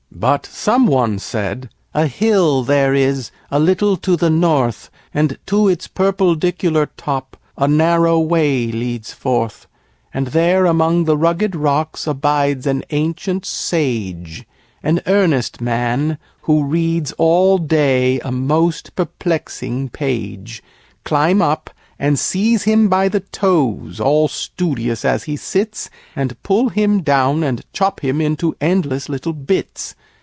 But some one said, "A hill there is, a little to the north, And to its purpledicular top a narrow way leads forth; And there among the rugged rocks abides an ancient Sage, An earnest Man, who reads all day a most perplexing page. Climb up, and seize him by the toes, all studious as he sits, And pull him down, and chop him into endless little bits!